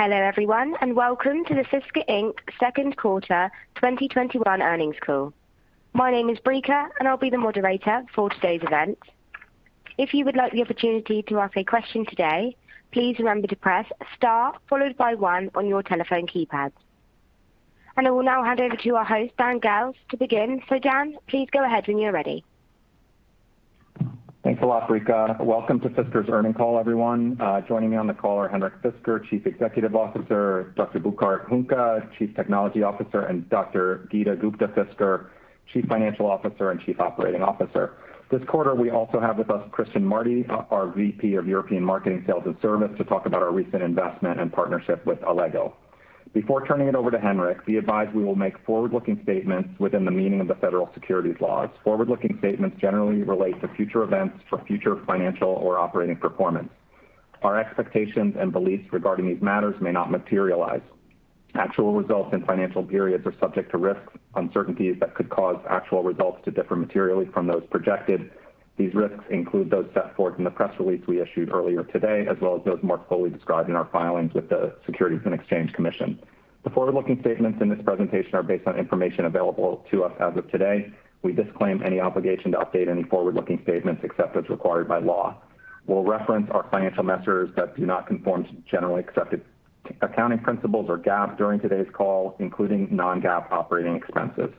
Hello, everyone, and welcome to the Fisker Inc. Second Quarter 2021 Earnings Call. My name is Brika, and I'll be the moderator for today's event. If you would like the opportunity to ask a question today, please remember to press star, followed by one on your telephone keypad. I will now hand over to our host, Dan Galves, to begin. Dan, please go ahead when you're ready. Thanks a lot, Brika. Welcome to Fisker's earning call, everyone. Joining me on the call are Henrik Fisker, Chief Executive Officer, Dr. Burkhard Huhnke, Chief Technology Officer, and Dr. Geeta Gupta-Fisker, Chief Financial Officer and Chief Operating Officer. This quarter, we also have with us Christian Marti, our VP of European Marketing, Sales, and Service, to talk about our recent investment and partnership with Allego. Before turning it over to Henrik, be advised we will make forward-looking statements within the meaning of the federal securities laws. Forward-looking statements generally relate to future events or future financial or operating performance. Our expectations and beliefs regarding these matters may not materialize. Actual results and financial periods are subject to risks, uncertainties that could cause actual results to differ materially from those projected. These risks include those set forth in the press release we issued earlier today, as well as those more fully described in our filings with the Securities and Exchange Commission. The forward-looking statements in this presentation are based on information available to us as of today. We disclaim any obligation to update any forward-looking statements except as required by law. We'll reference our financial measures that do not conform to generally accepted accounting principles or GAAP during today's call, including non-GAAP operating expenses.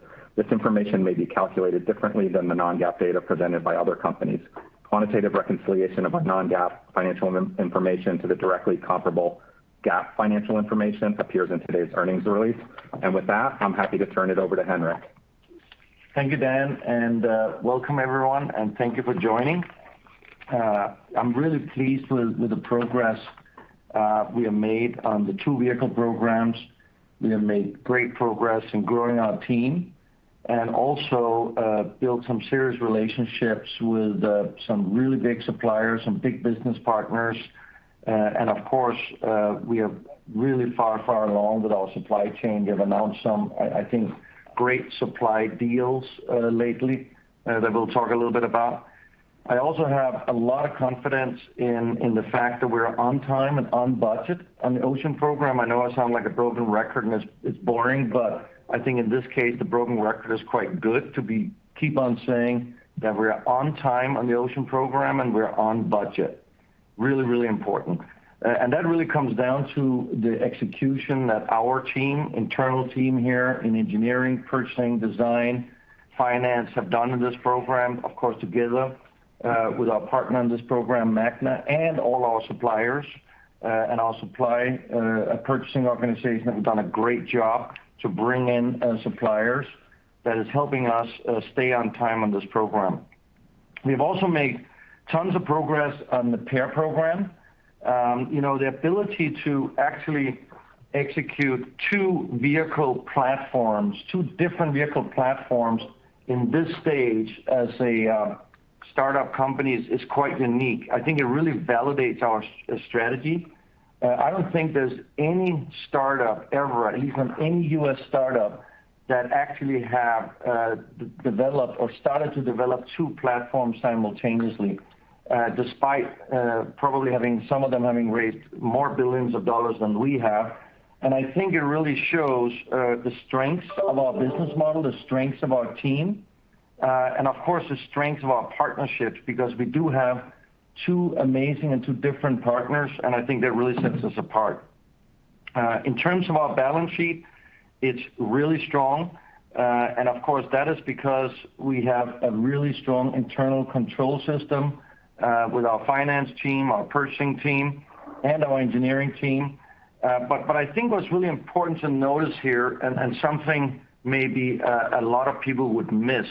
This information may be calculated differently than the non-GAAP data presented by other companies. Quantitative reconciliation of our non-GAAP financial information to the directly comparable GAAP financial information appears in today's earnings release. With that, I'm happy to turn it over to Henrik. Thank you, Dan, and welcome everyone, and thank you for joining. I'm really pleased with the progress we have made on the two vehicle programs. We have made great progress in growing our team and also built some serious relationships with some really big suppliers, some big business partners. Of course, we are really far along with our supply chain. We have announced some, I think, great supply deals lately that we'll talk a little bit about. I also have a lot of confidence in the fact that we're on time and on budget on the Ocean program. I know I sound like a broken record and it's boring, but I think in this case the broken record is quite good to keep on saying that we're on time on the Ocean program and we're on budget. Really important. That really comes down to the execution that our team, internal team here in engineering, purchasing, design, finance, have done in this program. Of course, together, with our partner on this program, Magna, and all our suppliers, and our supply, purchasing organization have done a great job to bring in suppliers that is helping us stay on time on this program. We've also made tons of progress on the Project PEAR. The ability to actually execute two vehicle platforms, two different vehicle platforms in this stage as a startup company is quite unique. I think it really validates our strategy. I don't think there's any startup ever, at least any U.S. startup, that actually have developed or started to develop two platforms simultaneously, despite probably some of them having raised more billions of dollars than we have. I think it really shows the strengths of our business model, the strengths of our team. Of course, the strength of our partnerships because we do have two amazing and two different partners, and I think that really sets us apart. In terms of our balance sheet, it's really strong. Of course that is because we have a really strong internal control system, with our finance team, our purchasing team, and our engineering team. I think what's really important to notice here and something maybe a lot of people would miss,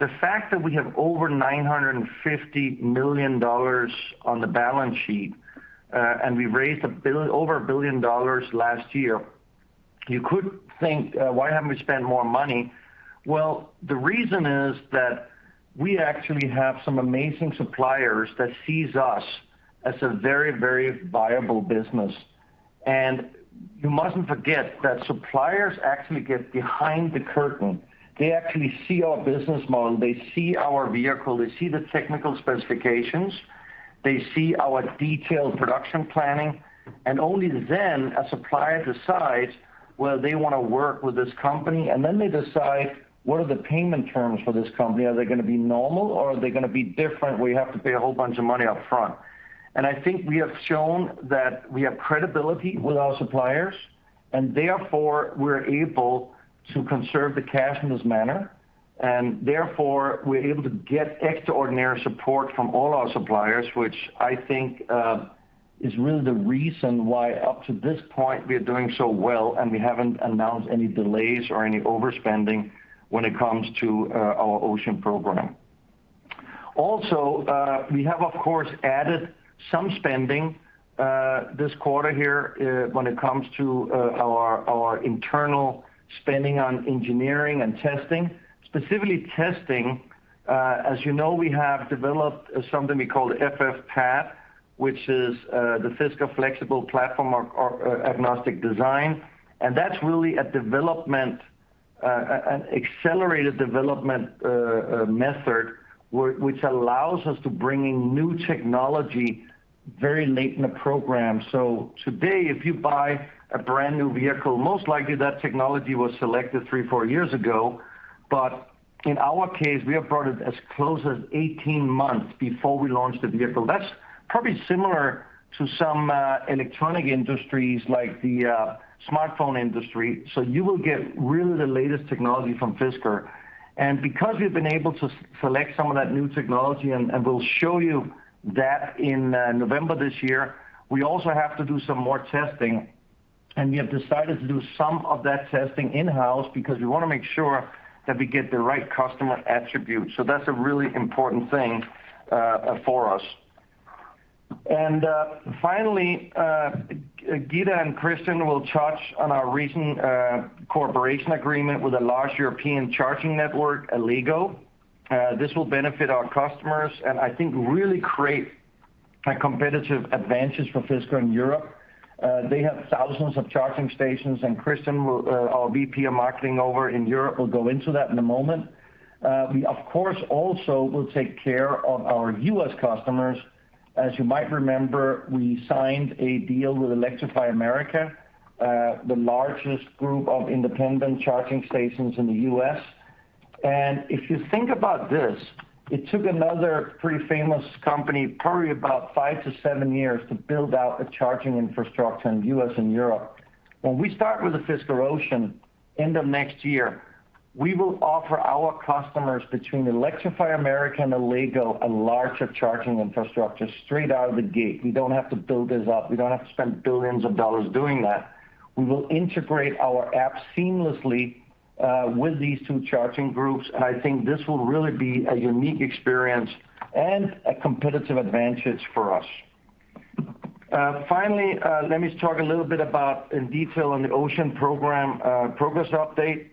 the fact that we have over $950 million on the balance sheet, and we raised over $1 billion last year. You could think, Why haven't we spent more money? Well, the reason is that we actually have some amazing suppliers that sees us as a very viable business. You mustn't forget that suppliers actually get behind the curtain. They actually see our business model. They see our vehicle. They see the technical specifications. They see our detailed production planning. Only then a supplier decides whether they want to work with this company and then they decide what are the payment terms for this company. Are they going to be normal or are they going to be different, we have to pay a whole bunch of money up front? I think we have shown that we have credibility with our suppliers and therefore we're able to conserve the cash in this manner. Therefore we're able to get extraordinary support from all our suppliers, which I think is really the reason why up to this point we are doing so well and we haven't announced any delays or any overspending when it comes to our Ocean program. Also, we have of course added some spending, this quarter here, when it comes to our internal spending on engineering and testing. Specifically testing, as you know, we have developed something we call FF-PAD, which is the Fisker Flexible Platform Adaptive Design. That's really an accelerated development method which allows us to bring in new technology very late in the program. Today, if you buy a brand-new vehicle, most likely that technology was selected three, four years ago. In our case, we have brought it as close as 18 months before we launch the vehicle. That's probably similar to some electronic industries like the smartphone industry. You will get really the latest technology from Fisker. Because we've been able to select some of that new technology, and we'll show you that in November this year, we also have to do some more testing. We have decided to do some of that testing in-house because we want to make sure that we get the right customer attributes. That's a really important thing for us. Finally, Geeta and Christian will touch on our recent cooperation agreement with a large European charging network, Allego. This will benefit our customers and I think really create a competitive advantage for Fisker in Europe. They have thousands of charging stations, and Christian, our VP of Marketing over in Europe, will go into that in a moment. We, of course, also will take care of our U.S. customers. As you might remember, we signed a deal with Electrify America, the largest group of independent charging stations in the U.S. If you think about this, it took another pretty famous company probably about five to seven years to build out a charging infrastructure in the U.S. and Europe. When we start with the Fisker Ocean end of next year, we will offer our customers between Electrify America and Allego, a larger charging infrastructure straight out of the gate. We don't have to build this up. We don't have to spend billions of dollars doing that. We will integrate our app seamlessly with these two charging groups. I think this will really be a unique experience and a competitive advantage for us. Finally, let me talk a little bit about in detail on the Ocean progress update.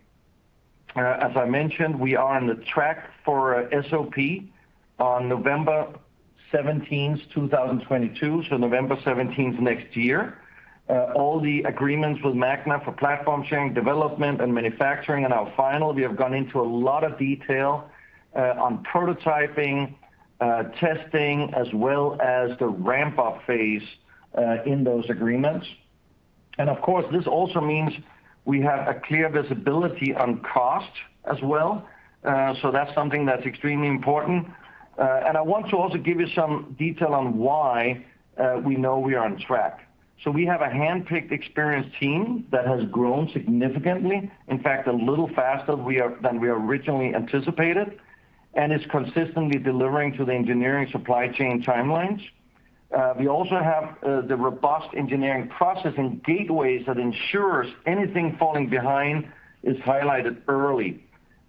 As I mentioned, we are on the track for SOP on November 17th, 2022, so November 17th next year. All the agreements with Magna for platform sharing, development, and manufacturing are now final. We have gone into a lot of detail on prototyping, testing, as well as the ramp-up phase in those agreements. Of course, this also means we have a clear visibility on cost as well. That's something that's extremely important. I want to also give you some detail on why we know we are on track. We have a handpicked, experienced team that has grown significantly, in fact, a little faster than we originally anticipated, and is consistently delivering to the engineering supply chain timelines. We also have the robust engineering processing gateways that ensures anything falling behind is highlighted early.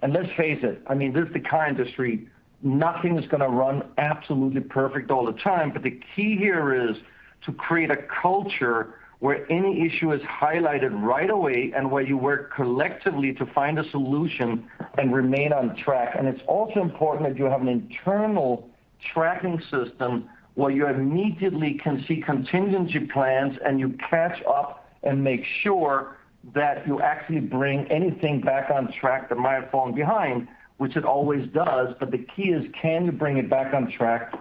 Let's face it, I mean, this is the car industry. Nothing is going to run absolutely perfect all the time, the key here is to create a culture where any issue is highlighted right away and where you work collectively to find a solution and remain on track. It's also important that you have an internal tracking system where you immediately can see contingency plans and you catch up and make sure that you actually bring anything back on track that might have fallen behind, which it always does. The key is, can you bring it back on track?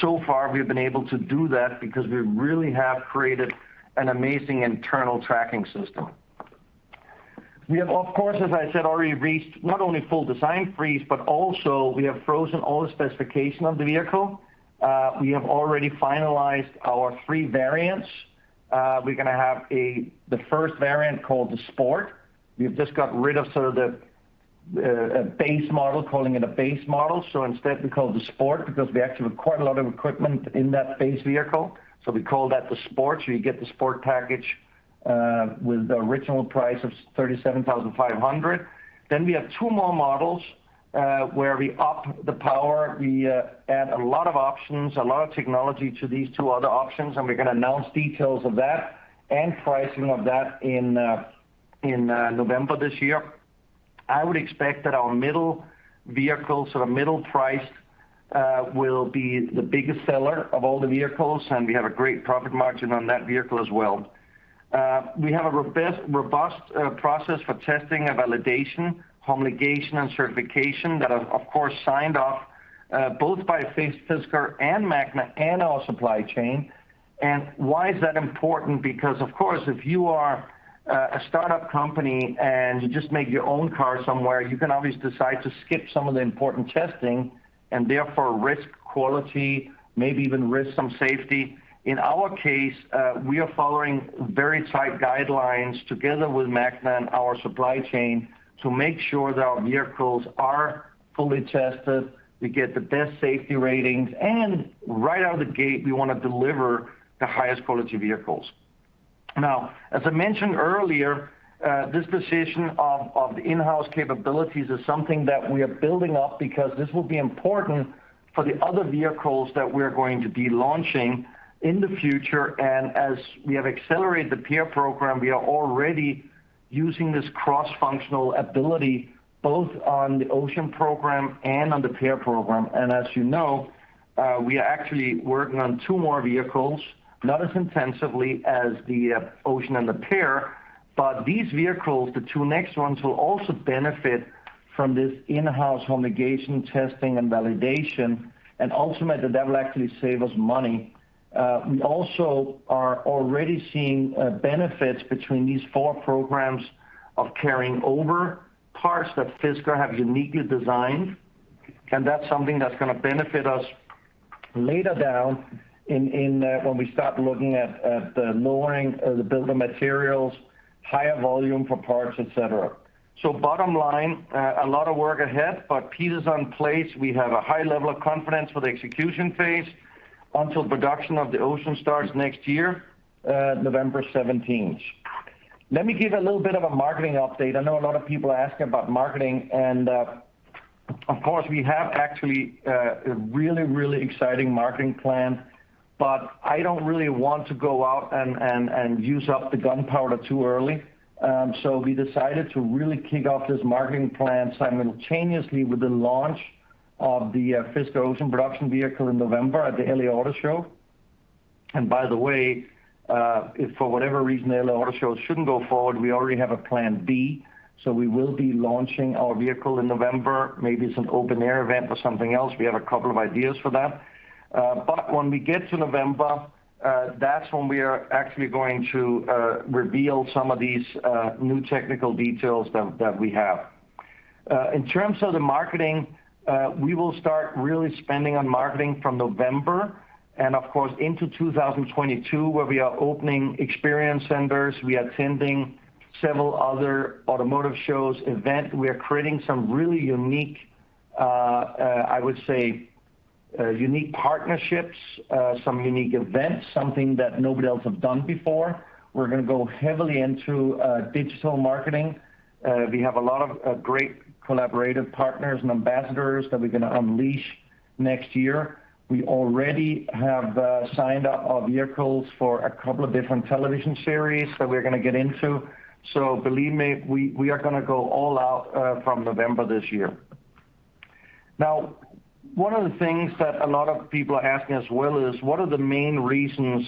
So far, we've been able to do that because we really have created an amazing internal tracking system. We have, of course, as I said, already reached not only full design freeze, but also we have frozen all the specification of the vehicle. We have already finalized our three variants. We're going to have the first variant called the Sport. We've just got rid of sort of the base model, calling it a base model. Instead, we call it the Sport because we actually have quite a lot of equipment in that base vehicle. We call that the Sport. You get the Sport package with the original price of $37,500. We have two more models, where we up the power. We add a lot of options, a lot of technology to these two other options, and we're going to announce details of that and pricing of that in November this year. I would expect that our middle vehicle, so the middle price, will be the biggest seller of all the vehicles, and we have a great profit margin on that vehicle as well. We have a robust process for testing and validation, homologation, and certification that are, of course, signed off both by Fisker and Magna and our supply chain. Why is that important? Of course, if you are a startup company and you just make your own car somewhere, you can always decide to skip some of the important testing and therefore risk quality, maybe even risk some safety. In our case, we are following very tight guidelines together with Magna and our supply chain to make sure that our vehicles are fully tested, we get the best safety ratings, and right out of the gate, we want to deliver the highest quality vehicles. As I mentioned earlier, this decision of the in-house capabilities is something that we are building up because this will be important for the other vehicles that we're going to be launching in the future. As we have accelerated Project PEAR, we are already using this cross-functional ability both on the Ocean and on Project PEAR. As you know, we are actually working on two more vehicles, not as intensively as the Ocean and the PEAR, but these vehicles, the two next ones, will also benefit from this in-house homologation testing and validation, and ultimately, that will actually save us money. We also are already seeing benefits between these four programs of carrying over parts that Fisker have uniquely designed, and that's something that's going to benefit us later down in when we start looking at the lowering of the bill of materials, higher volume for parts, et cetera. Bottom line, a lot of work ahead, but pieces in place. We have a high level of confidence for the execution phase until production of the Ocean starts next year, November 17th. Let me give a little bit of a marketing update. I know a lot of people ask about marketing, and of course, we have actually a really, really exciting marketing plan, but I don't really want to go out and use up the gunpowder too early. We decided to really kick off this marketing plan simultaneously with the launch of the Fisker Ocean production vehicle in November at the L.A. Auto Show. By the way, if for whatever reason the L.A. Auto Show shouldn't go forward, we already have a plan B, so we will be launching our vehicle in November. Maybe it's an open-air event or something else. We have a couple of ideas for that. When we get to November, that's when we are actually going to reveal some of these new technical details that we have. In terms of the marketing, we will start really spending on marketing from November and of course into 2022, where we are opening experience centers. We are attending several other automotive shows, event. We are creating some really unique, I would say, unique partnerships, some unique events, something that nobody else have done before. We're going to go heavily into digital marketing. We have a lot of great collaborative partners and ambassadors that we're going to unleash next year. We already have signed up our vehicles for a couple of different television series that we're going to get into. Believe me, we are going to go all out from November this year. One of the things that a lot of people are asking as well is what are the main reasons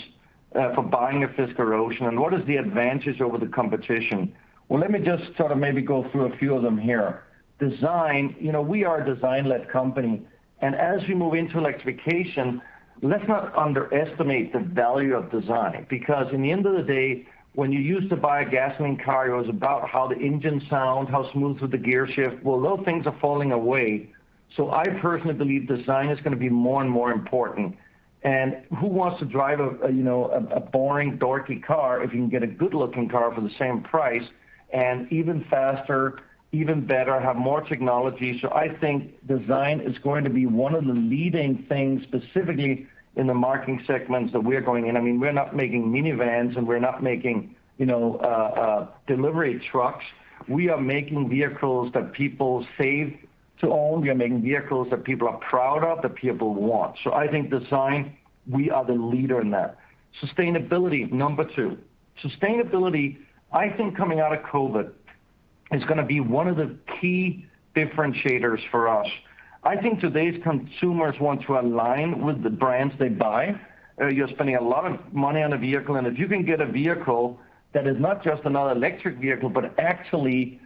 for buying a Fisker Ocean, and what is the advantage over the competition? Let me just sort of maybe go through a few of them here. Design, we are a design-led company, and as we move into electrification, let's not underestimate the value of design because in the end of the day, when you used to buy a gasoline car, it was about how the engine sound, how smooth was the gearshift. Those things are falling away, so I personally believe design is going to be more and more important. Who wants to drive a boring, dorky car if you can get a good-looking car for the same price and even faster, even better, have more technology? I think design is going to be one of the leading things, specifically in the marketing segments that we're going in. We're not making minivans, and we're not making delivery trucks. We are making vehicles that people save to own. We are making vehicles that people are proud of, that people want. I think design, we are the leader in that. Sustainability, number two. Sustainability, I think coming out of COVID, is going to be one of the key differentiators for us. I think today's consumers want to align with the brands they buy. You're spending a lot of money on a vehicle, and if you can get a vehicle that is not just another electric vehicle, but actually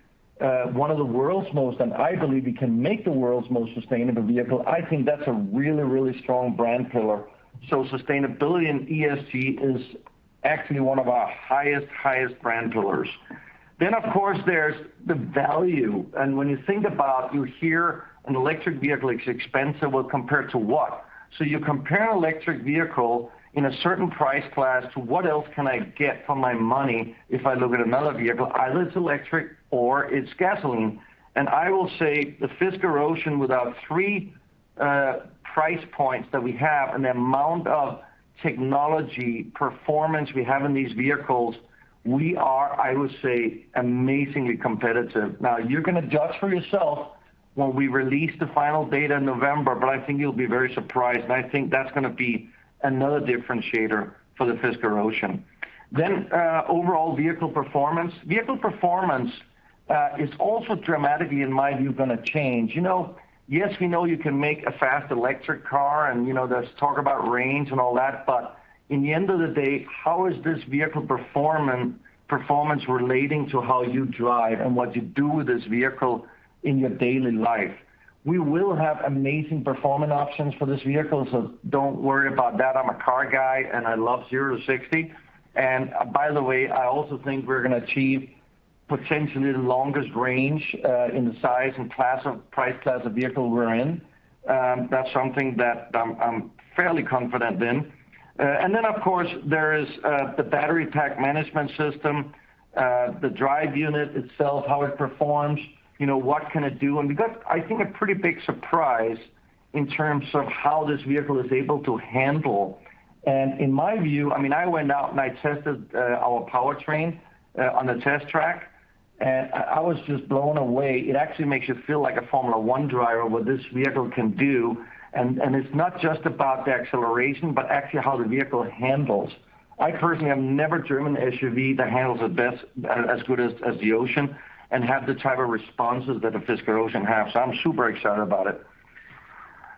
one of the world's most, and I believe we can make the world's most sustainable vehicle, I think that's a really, really strong brand pillar. Sustainability and ESG is actually one of our highest brand pillars. Of course, there's the value, and when you think about, you hear an electric vehicle is expensive. Compared to what? You compare an electric vehicle in a certain price class to what else can I get for my money if I look at another vehicle? Either it's electric or it's gasoline. I will say the Fisker Ocean, with our three price points that we have and the amount of technology performance we have in these vehicles, we are, I would say, amazingly competitive. You're going to judge for yourself when we release the final data in November, but I think you'll be very surprised, and I think that's going to be another differentiator for the Fisker Ocean. Overall vehicle performance. Vehicle performance is also dramatically, in my view, going to change. We know you can make a fast electric car, there's talk about range and all that. In the end of the day, how is this vehicle performance relating to how you drive and what you do with this vehicle in your daily life? We will have amazing performance options for this vehicle, don't worry about that. I'm a car guy, I love 0 to 60. By the way, I also think we're going to achieve potentially the longest range in the size and price class of vehicle we're in. That's something that I'm fairly confident in. Of course, there is the battery pack management system, the drive unit itself, how it performs, what can it do, we got, I think, a pretty big surprise in terms of how this vehicle is able to handle. In my view, I went out and I tested our powertrain on the test track, and I was just blown away. It actually makes you feel like a Formula One driver what this vehicle can do, and it's not just about the acceleration, but actually how the vehicle handles. I personally have never driven an SUV that handles as good as the Ocean and have the type of responses that the Fisker Ocean have, so I'm super excited about it.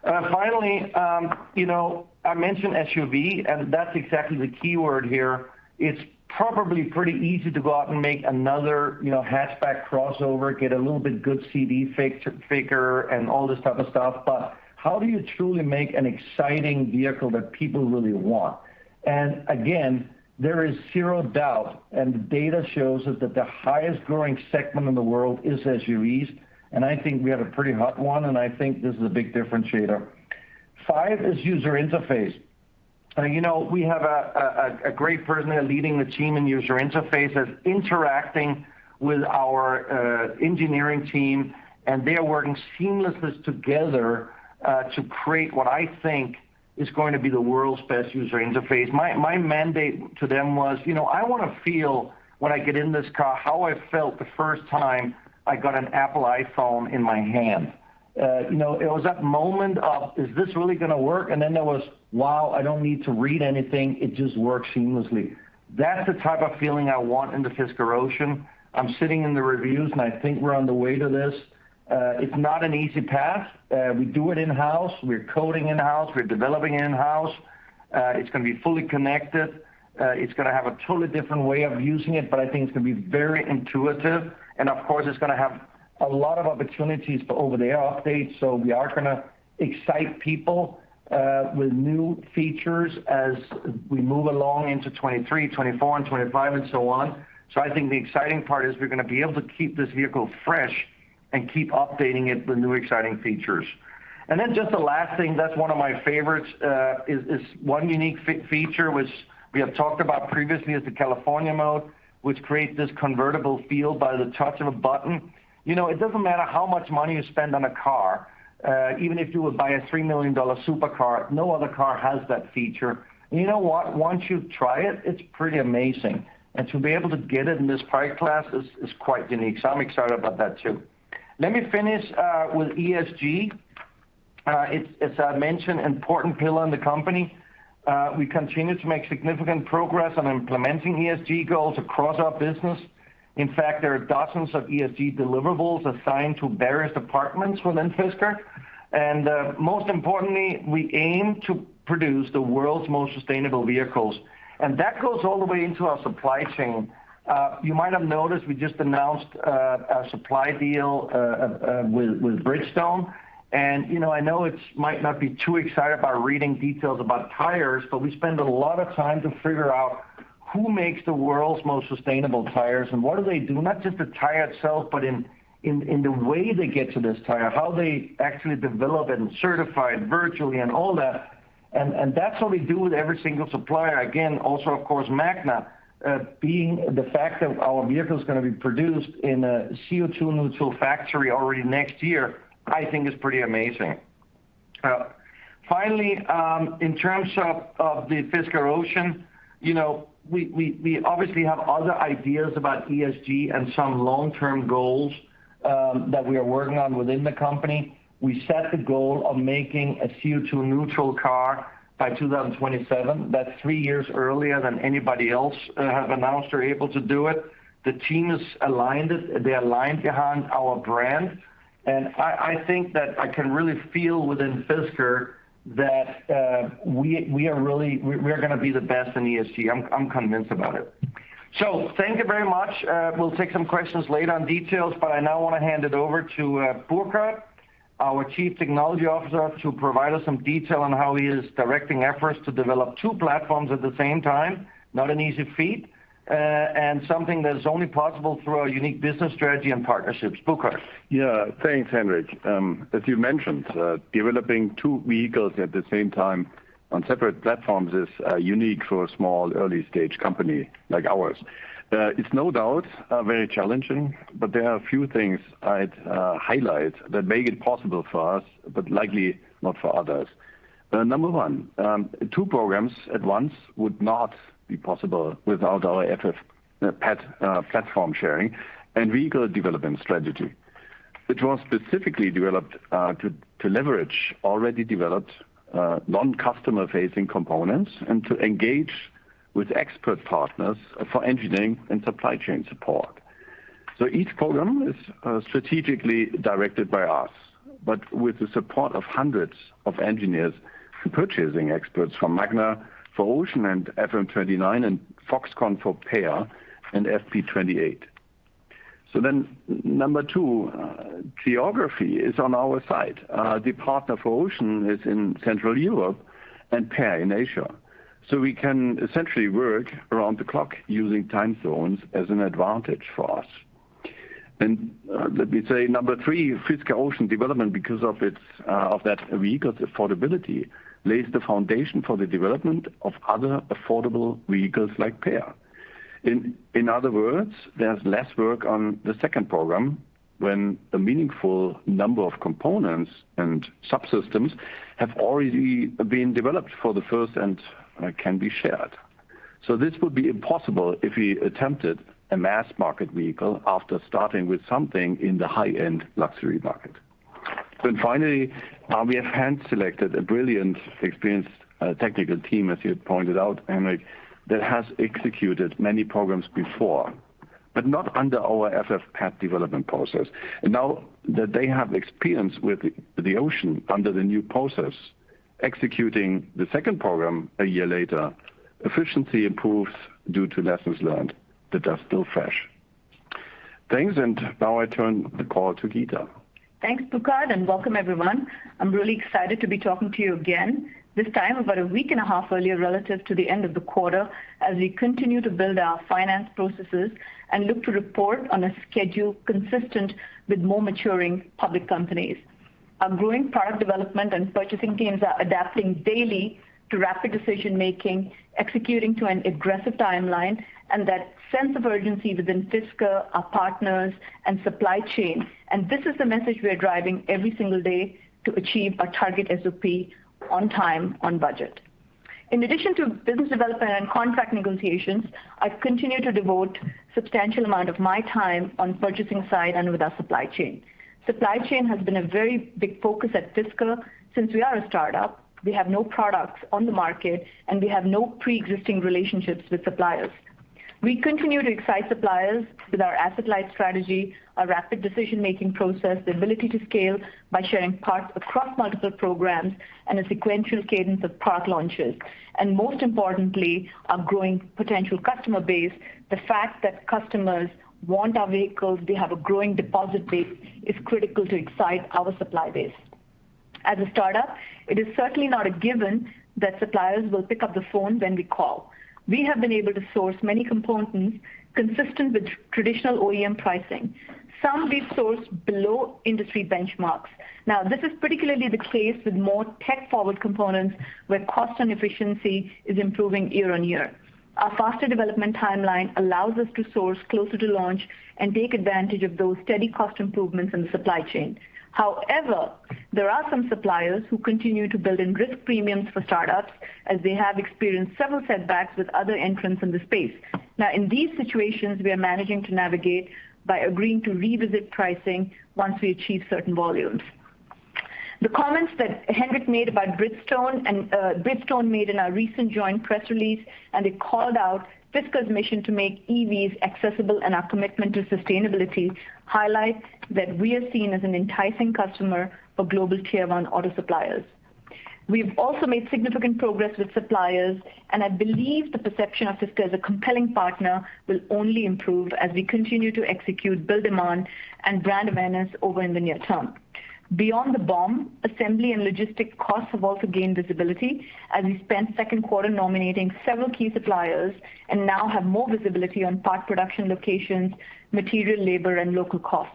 Finally, I mentioned SUV, and that's exactly the keyword here. It's probably pretty easy to go out and make another hatchback crossover, get a little bit good CD figure, and all this type of stuff. How do you truly make an exciting vehicle that people really want? Again, there is zero doubt, and the data shows it, that the highest-growing segment in the world is SUVs. I think we have a pretty hot one, and I think this is a big differentiator. Five is user interface. We have a great person leading the team in user interfaces, interacting with our engineering team, and they are working seamlessly together to create what I think is going to be the world's best user interface. My mandate to them was, I want to feel when I get in this car how I felt the first time I got an Apple iPhone in my hand. It was that moment of, Is this really going to work? Then there was, Wow, I don't need to read anything. It just works seamlessly. That is the type of feeling I want in the Fisker Ocean. I'm sitting in the reviews, and I think we're on the way to this. It's not an easy path. We do it in-house. We're coding in-house. We're developing in-house. It's going to be fully connected. It's going to have a totally different way of using it, but I think it's going to be very intuitive. Of course, it's going to have a lot of opportunities for over-the-air updates. We are going to excite people with new features as we move along into 2023, 2024, and 2025, and so on. I think the exciting part is we're going to be able to keep this vehicle fresh and keep updating it with new, exciting features. Just the last thing that's one of my favorites is one unique feature which we have talked about previously, is the California Mode, which creates this convertible feel by the touch of a button. It doesn't matter how much money you spend on a car. Even if you would buy a $3 million supercar, no other car has that feature. You know what? Once you try it's pretty amazing. To be able to get it in this price class is quite unique, so I'm excited about that, too. Let me finish with ESG. It's a mentioned important pillar in the company. We continue to make significant progress on implementing ESG goals across our business. In fact, there are dozens of ESG deliverables assigned to various departments within Fisker. Most importantly, we aim to produce the world's most sustainable vehicles. That goes all the way into our supply chain. You might have noticed we just announced a supply deal with Bridgestone. I know it might not be too exciting about reading details about tires, but we spend a lot of time to figure out who makes the world's most sustainable tires and what do they do, not just the tire itself, but in the way they get to this tire, how they actually develop it and certify it virtually and all that. That's what we do with every single supplier, again, also, of course, Magna. Being the fact that our vehicle is going to be produced in a CO2-neutral factory already next year, I think is pretty amazing. Finally, in terms of the Fisker Ocean, we obviously have other ideas about ESG and some long-term goals that we are working on within the company. We set the goal of making a CO2-neutral car by 2027. That's three years earlier than anybody else have announced they're able to do it. The team is aligned. They're aligned behind our brand, and I think that I can really feel within Fisker that we are going to be the best in ESG. I'm convinced about it. Thank you very much. We'll take some questions later on details, but I now want to hand it over to Burkhard, our Chief Technology Officer, to provide us some detail on how he is directing efforts to develop two platforms at the same time. Not an easy feat, and something that is only possible through our unique business strategy and partnerships. Burkhard? Yeah. Thanks, Henrik. As you mentioned, developing two vehicles at the same time on separate platforms is unique for a small early-stage company like ours. It's no doubt very challenging, but there are a few things I'd highlight that make it possible for us, but likely not for others. Number one, two programs at once would not be possible without our FF platform sharing and vehicle development strategy, which was specifically developed to leverage already developed non-customer-facing components and to engage with expert partners for engineering and supply chain support. Each program is strategically directed by us, but with the support of hundreds of engineers and purchasing experts from Magna for Ocean and FM29 and Foxconn for PEAR and FP28. Number two, geography is on our side. The partner for Ocean is in Central Europe and PEAR in Asia. We can essentially work around the clock using time zones as an advantage for us. Let me say number three, Fisker Ocean development, because of that vehicle's affordability, lays the foundation for the development of other affordable vehicles like PEAR. In other words, there's less work on the second program when a meaningful number of components and subsystems have already been developed for the first and can be shared. This would be impossible if we attempted a mass-market vehicle after starting with something in the high-end luxury market. Finally, we have hand-selected a brilliant, experienced technical team, as you had pointed out, Henrik, that has executed many programs before. Not under our FF-PAD development process. Now that they have experience with the Ocean under the new process, executing the second program a year later, efficiency improves due to lessons learned that are still fresh. Thanks, I turn the call to Geeta. Thanks, Burkhard, and welcome everyone. I'm really excited to be talking to you again. This time, about a week and a half earlier relative to the end of the quarter, as we continue to build our finance processes and look to report on a schedule consistent with more maturing public companies. Our growing product development and purchasing teams are adapting daily to rapid decision-making, executing to an aggressive timeline, and that sense of urgency within Fisker, our partners, and supply chain. This is the message we are driving every single day to achieve our target SOP on time, on budget. In addition to business development and contract negotiations, I've continued to devote substantial amount of my time on purchasing side and with our supply chain. Supply chain has been a very big focus at Fisker. Since we are a startup, we have no products on the market, and we have no pre-existing relationships with suppliers. We continue to excite suppliers with our asset-light strategy, our rapid decision-making process, the ability to scale by sharing parts across multiple programs, and a sequential cadence of product launches. Most importantly, our growing potential customer base. The fact that customers want our vehicles, we have a growing deposit base, is critical to excite our supply base. As a startup, it is certainly not a given that suppliers will pick up the phone when we call. We have been able to source many components consistent with traditional OEM pricing. Some we've sourced below industry benchmarks. Now, this is particularly the case with more tech-forward components, where cost and efficiency is improving year-on-year. Our faster development timeline allows us to source closer to launch and take advantage of those steady cost improvements in the supply chain. There are some suppliers who continue to build in risk premiums for startups as they have experienced several setbacks with other entrants in the space. In these situations, we are managing to navigate by agreeing to revisit pricing once we achieve certain volumes. The comments that Henrik made about Bridgestone and Bridgestone made in our recent joint press release, and it called out Fisker's mission to make EVs accessible and our commitment to sustainability highlights that we are seen as an enticing customer for global tier 1 auto suppliers. We've also made significant progress with suppliers. I believe the perception of Fisker as a compelling partner will only improve as we continue to execute build demand and brand awareness over in the near term. Beyond the BOM, assembly and logistic costs have also gained visibility as we spent second quarter nominating several key suppliers and now have more visibility on part production locations, material labor, and local costs.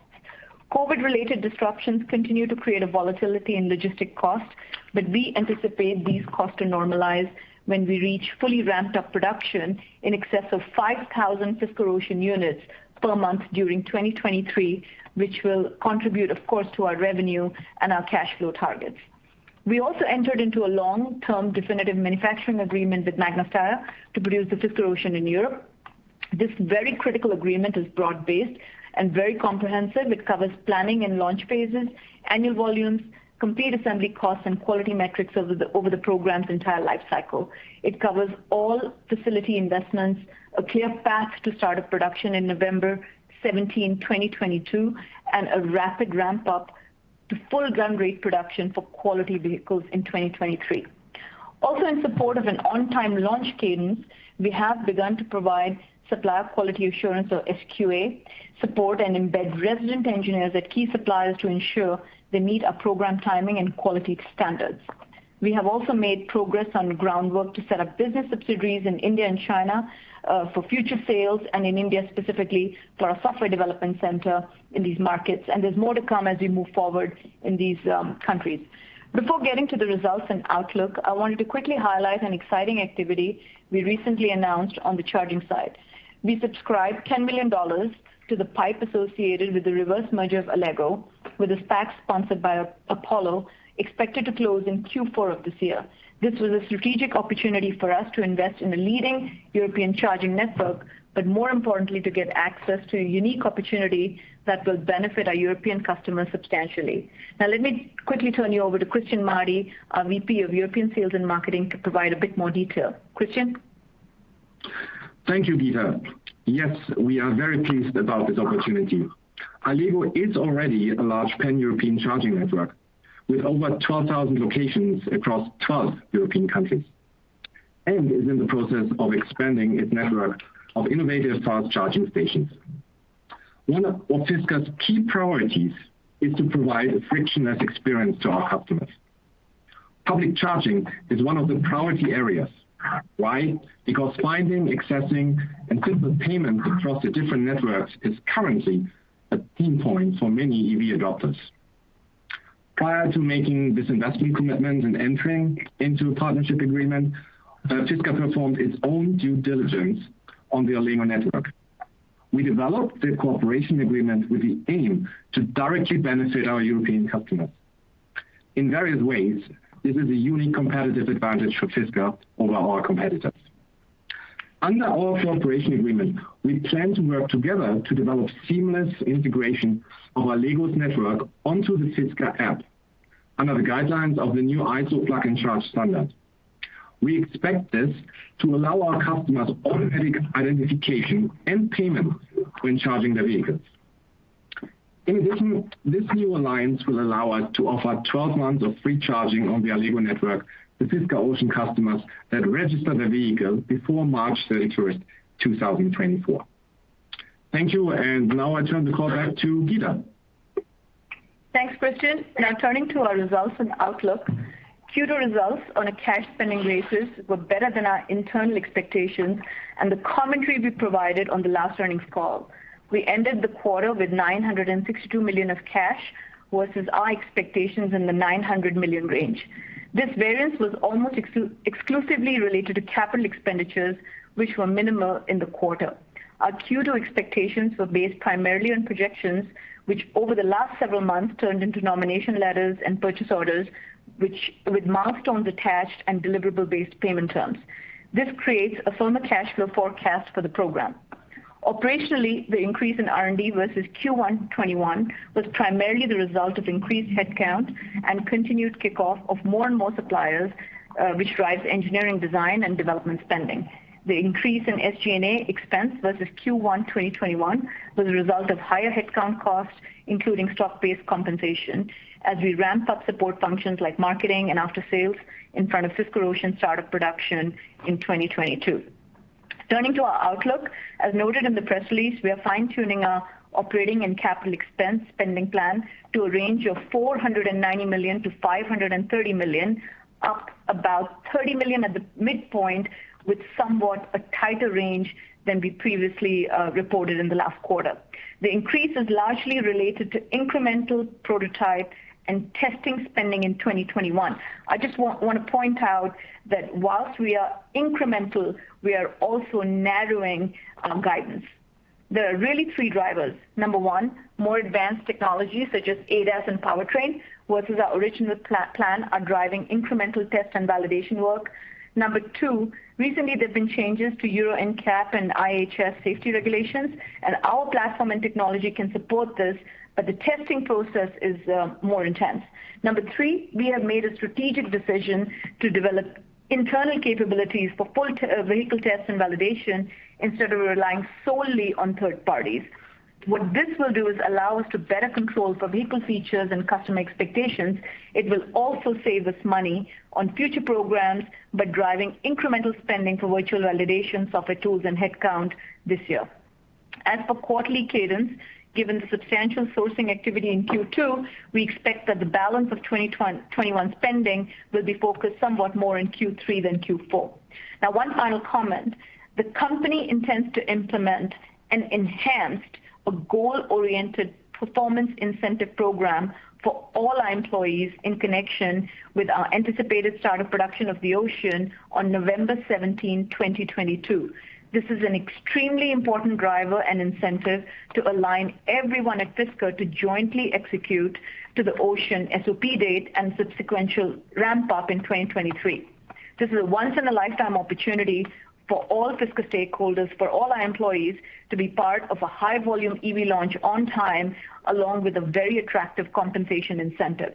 COVID-related disruptions continue to create a volatility in logistic costs. We anticipate these costs to normalize when we reach fully ramped-up production in excess of 5,000 Fisker Ocean units per month during 2023, which will contribute, of course, to our revenue and our cash flow targets. We also entered into a long-term definitive manufacturing agreement with Magna Steyr to produce the Fisker Ocean in Europe. This very critical agreement is broad-based and very comprehensive. It covers planning and launch phases, annual volumes, complete assembly costs, and quality metrics over the program's entire life cycle. It covers all facility investments, a clear path to start of production in November 17, 2022, and a rapid ramp-up to full run rate production for quality vehicles in 2023. Also, in support of an on-time launch cadence, we have begun to provide supplier quality assurance or SQA support and embed resident engineers at key suppliers to ensure they meet our program timing and quality standards. We have also made progress on groundwork to set up business subsidiaries in India and China for future sales, and in India specifically, for our software development center in these markets. There's more to come as we move forward in these countries. Before getting to the results and outlook, I wanted to quickly highlight an exciting activity we recently announced on the charging side. We subscribed $10 million to the PIPE associated with the reverse merger of Allego, with a SPAC sponsored by Apollo, expected to close in Q4 of this year. This was a strategic opportunity for us to invest in a leading European charging network, but more importantly, to get access to a unique opportunity that will benefit our European customers substantially. Now let me quickly turn you over to Christian Marti, our VP of European Sales and Marketing, to provide a bit more detail. Christian? Thank you, Geeta. Yes, we are very pleased about this opportunity. Allego is already a large pan-European charging network with over 12,000 locations across 12 European countries, and is in the process of expanding its network of innovative fast charging stations. One of Fisker's key priorities is to provide a frictionless experience to our customers. Public charging is one of the priority areas. Why? Because finding, accessing, and simple payment across the different networks is currently a pain point for many EV adopters. Prior to making this investment commitment and entering into a partnership agreement, Fisker performed its own due diligence on the Allego network. We developed the cooperation agreement with the aim to directly benefit our European customers. In various ways, this is a unique competitive advantage for Fisker over our competitors. Under our cooperation agreement, we plan to work together to develop seamless integration of Allego's network onto the Fisker app under the guidelines of the new ISO Plug & Charge standard. We expect this to allow our customers automatic identification and payment when charging their vehicles. In addition, this new alliance will allow us to offer 12 months of free charging on the Allego network to Fisker Ocean customers that register their vehicle before March 31st, 2024. Thank you. Now I turn the call back to Geeta. Thanks, Christian. Turning to our results and outlook. Q2 results on a cash spending basis were better than our internal expectations and the commentary we provided on the last earnings call. We ended the quarter with $962 million of cash versus our expectations in the $900 million range. This variance was almost exclusively related to capital expenditures, which were minimal in the quarter. Our Q2 expectations were based primarily on projections, which over the last several months turned into nomination letters and purchase orders with milestones attached and deliverable-based payment terms. This creates a firmer cash flow forecast for the program. Operationally, the increase in R&D versus Q1 2021 was primarily the result of increased headcount and continued kickoff of more and more suppliers, which drives engineering design and development spending. The increase in SG&A expense versus Q1 2021 was a result of higher headcount costs, including stock-based compensation as we ramp up support functions like marketing and aftersales in front of Fisker Ocean start of production in 2022. Turning to our outlook, as noted in the press release, we are fine-tuning our operating and capital expense spending plan to a range of $490 million-$530 million, up about $30 million at the midpoint with somewhat a tighter range than we previously reported in the last quarter. The increase is largely related to incremental prototype and testing spending in 2021. I just want to point out that whilst we are incremental, we are also narrowing our guidance. There are really three drivers. Number one, more advanced technologies such as ADAS and powertrain versus our original plan are driving incremental test and validation work. Number two, recently there's been changes to Euro NCAP and IIHS safety regulations, and our platform and technology can support this, but the testing process is more intense. Number three, we have made a strategic decision to develop internal capabilities for full vehicle test and validation instead of relying solely on third parties. What this will do is allow us to better control for vehicle features and customer expectations. It will also save us money on future programs by driving incremental spending for virtual validation software tools and headcount this year. As for quarterly cadence, given the substantial sourcing activity in Q2, we expect that the balance of 2021 spending will be focused somewhat more in Q3 than Q4. One final comment. The company intends to implement an enhanced goal-oriented performance incentive program for all our employees in connection with our anticipated start of production of the Ocean on November 17, 2022. This is an extremely important driver and incentive to align everyone at Fisker to jointly execute to the Ocean SOP date and subsequential ramp-up in 2023. This is a once-in-a-lifetime opportunity for all Fisker stakeholders, for all our employees, to be part of a high-volume EV launch on time, along with a very attractive compensation incentive.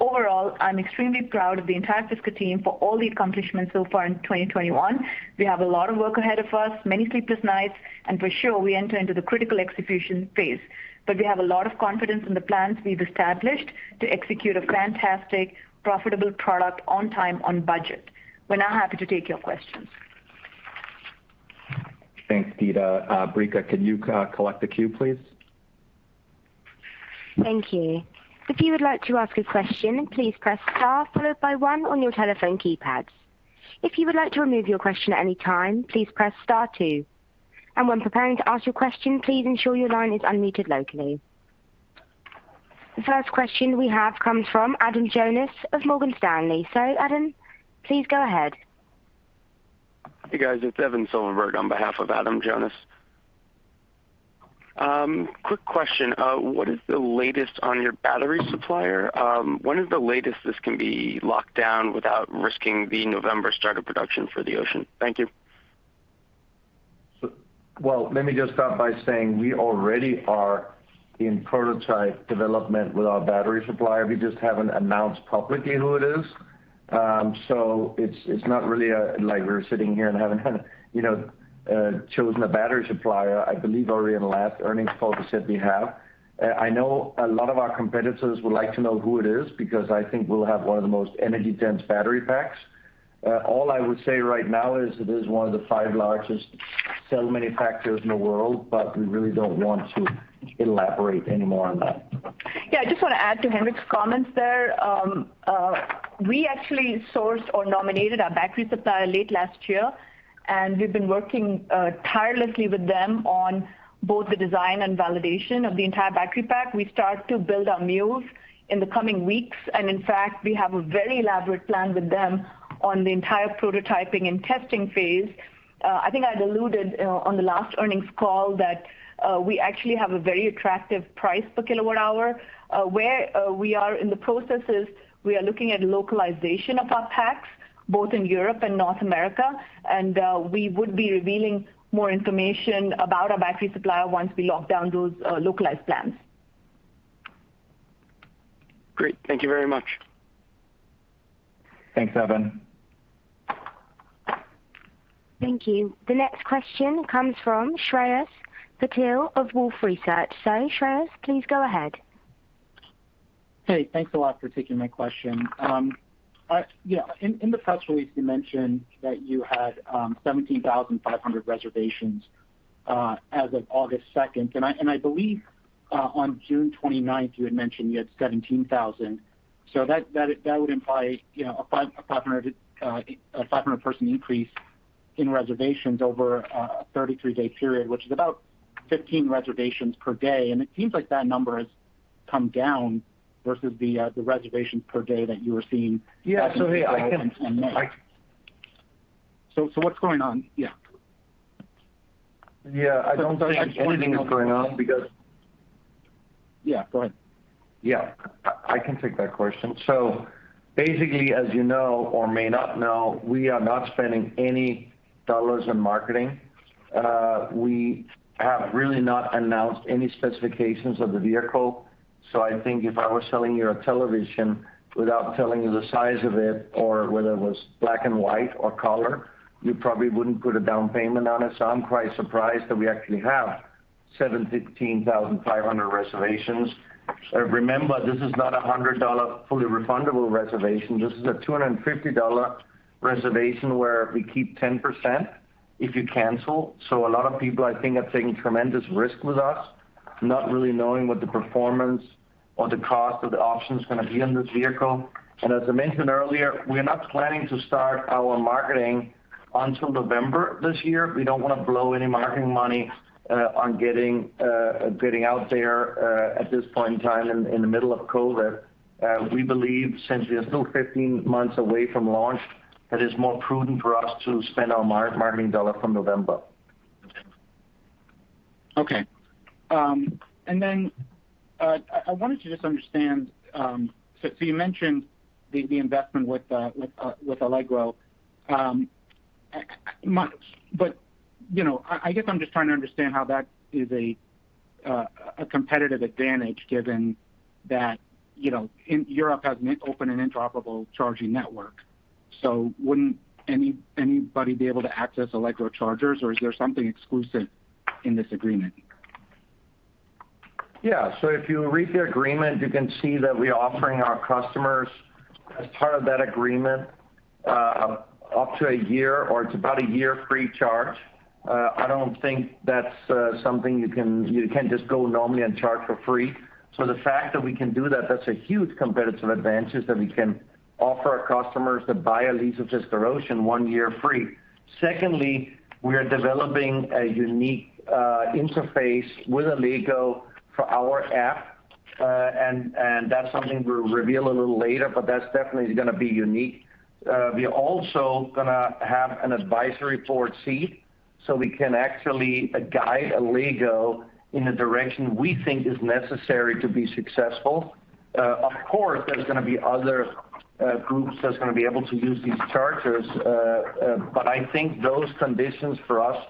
Overall, I'm extremely proud of the entire Fisker team for all the accomplishments so far in 2021. We have a lot of work ahead of us, many sleepless nights, and for sure, we enter into the critical execution phase. We have a lot of confidence in the plans we've established to execute a fantastic, profitable product on time, on budget. We're now happy to take your questions. Thanks, Geeta. Brika, can you collect the queue, please? Thank you. If you would like to ask a question, please press star followed by one on your telephone keypads. If you would like to remove your question at any time, please press star two. When preparing to ask your question, please ensure your line is unmuted locally. The first question we have comes from Adam Jonas of Morgan Stanley. Adam, please go ahead. Hey, guys. It's Evan Silverberg on behalf of Adam Jonas. Quick question. What is the latest on your battery supplier? When is the latest this can be locked down without risking the November start of production for the Ocean? Thank you. Well, let me just start by saying we already are in prototype development with our battery supplier. We just haven't announced publicly who it is. It's not really like we're sitting here and haven't chosen a battery supplier. I believe already in the last earnings call we said we have. I know a lot of our competitors would like to know who it is because I think we'll have one of the most energy-dense battery packs. All I would say right now is it is one of the five largest cell manufacturers in the world, but we really don't want to elaborate any more on that. Yeah, I just want to add to Henrik's comments there. We actually sourced or nominated our battery supplier late last year, and we've been working tirelessly with them on both the design and validation of the entire battery pack. We start to build our mules in the coming weeks, and in fact, we have a very elaborate plan with them on the entire prototyping and testing phase. I think I'd alluded on the last earnings call that we actually have a very attractive price per kilowatt hour. Where we are in the process is we are looking at localization of our packs both in Europe and North America, and we would be revealing more information about our battery supplier once we lock down those localized plans. Great. Thank you very much. Thanks, Evan. Thank you. The next question comes from Shreyas Patil of Wolfe Research. Shreyas, please go ahead. Hey, thanks a lot for taking my question. In the press release, you mentioned that you had 17,500 reservations as of August 2nd. I believe on June 29th, you had mentioned you had 17,000. That would imply a 500-person increase in reservations over a 33-day period, which is about 15 reservations per day. It seems like that number has come down versus the reservations per day that you were seeing. Yeah. hey, I. What's going on? Yeah. Yeah, I don't think anything is going on. Yeah, go ahead. Yeah. I can take that question. Basically, as you know or may not know, we are not spending any dollars on marketing. We have really not announced any specifications of the vehicle. I think if I was selling you a television without telling you the size of it or whether it was black and white or color, you probably wouldn't put a down payment on it. I'm quite surprised that we actually have 17,500 reservations. Remember, this is not a $100 fully refundable reservation. This is a $250 reservation where we keep 10% if you cancel. A lot of people I think are taking tremendous risk with us, not really knowing what the performance or the cost of the options are going to be on this vehicle. As I mentioned earlier, we're not planning to start our marketing until November this year. We don't want to blow any marketing money on getting out there at this point in time in the middle of COVID. We believe since we are still 15 months away from launch, that it's more prudent for us to spend our marketing dollar from November. Okay. I wanted to just understand, you mentioned the investment with Allego. I guess I'm just trying to understand how that is a competitive advantage given that Europe has an open and interoperable charging network. Wouldn't anybody be able to access Allego chargers, or is there something exclusive in this agreement? If you read the agreement, you can see that we're offering our customers, as part of that agreement, up to one year, or it's about one year free charge. I don't think that's something you can just go normally and charge for free. The fact that we can do that's a huge competitive advantage is that we can offer our customers to buy a lease of Fisker Ocean one year free. Secondly, we are developing a unique interface with Allego for our app. That's something we'll reveal a little later, but that's definitely going to be unique. We are also going to have an advisory board seat so we can actually guide Allego in the direction we think is necessary to be successful. Of course, there's going to be other groups that's going to be able to use these chargers. I think those conditions for us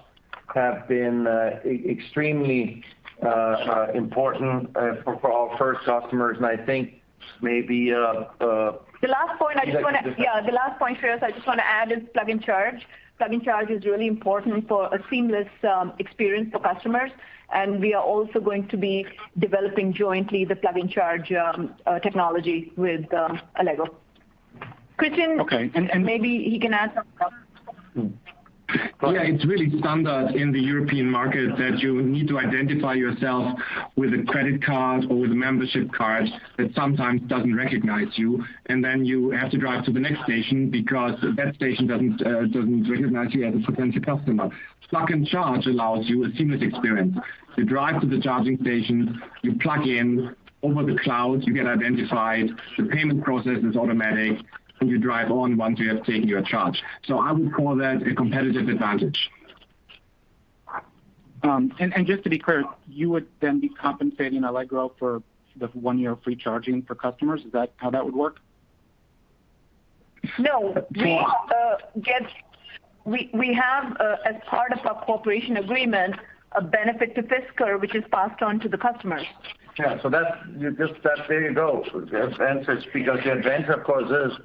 have been extremely important for our first customers. The last point I just want to- You'd like to. The last point, Shreyas, I just want to add is Plug & Charge. Plug & Charge is really important for a seamless experience for customers. We are also going to be developing jointly the Plug & Charge technology with Allego. Christian Okay. Maybe he can add some color. Yeah. It's really standard in the European market that you need to identify yourself with a credit card or with a membership card that sometimes doesn't recognize you, and then you have to drive to the next station because that station doesn't recognize you as a potential customer. Plug & Charge allows you a seamless experience. You drive to the charging station, you plug in, over the cloud, you get identified, the payment process is automatic, and you drive on once you have taken your charge. I would call that a competitive advantage. Just to be clear, you would then be compensating Allego for the one-year free charging for customers? Is that how that would work? No. The- We have, as part of our cooperation agreement, a benefit to Fisker, which is passed on to the customer. Yeah. There you go. The advantage, because the advantage, of course, is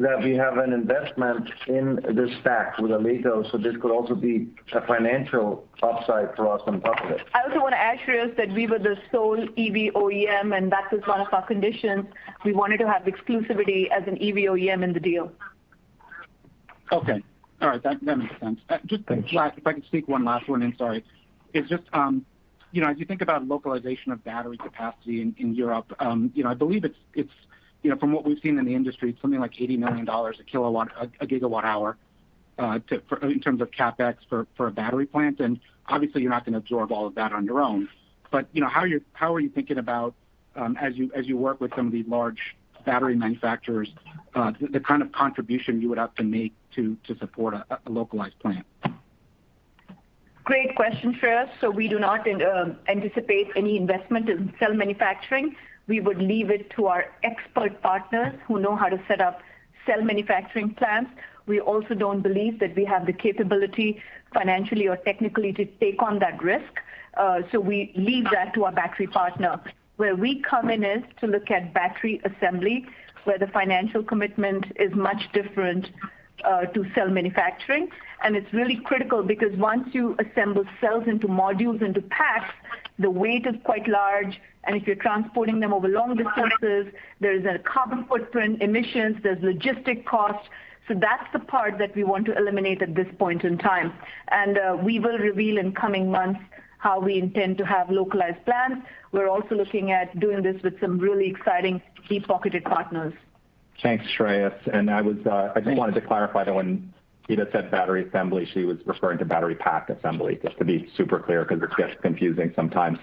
that we have an investment in this SPAC with Allego. This could also be a financial upside for us on top of it. I also want to add, Shreyas, that we were the sole EV OEM, and that was one of our conditions. We wanted to have exclusivity as an EV OEM in the deal. Okay. All right. That makes sense. Just last, if I could sneak one last one in, sorry. It's just as you think about localization of battery capacity in Europe, I believe it's, from what we've seen in the industry, it's something like $80 million a gigawatt hour in terms of CapEx for a battery plant. Obviously you're not going to absorb all of that on your own. How are you thinking about, as you work with some of these large battery manufacturers, the kind of contribution you would have to make to support a localized plant? Great question, Shreyas. We do not anticipate any investment in cell manufacturing. We would leave it to our expert partners who know how to set up cell manufacturing plants. We also don't believe that we have the capability, financially or technically, to take on that risk. We leave that to our battery partner. Where we come in is to look at battery assembly, where the financial commitment is much different to cell manufacturing. It's really critical because once you assemble cells into modules into packs, the weight is quite large, and if you're transporting them over long distances, there is a carbon footprint, emissions, there's logistic costs. That's the part that we want to eliminate at this point in time. We will reveal in coming months how we intend to have localized plans. We're also looking at doing this with some really exciting deep-pocketed partners. Thanks, Shreyas. I just wanted to clarify that when Geeta said battery assembly, she was referring to battery pack assembly, just to be super clear because it gets confusing sometimes.